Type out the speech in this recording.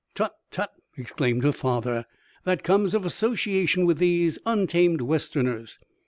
"Tut, tut!" exclaimed her father. "That comes of association with these untamed Westerners."